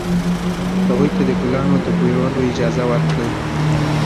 هغوی ته د ګلانو د بویولو اجازه ورکړئ.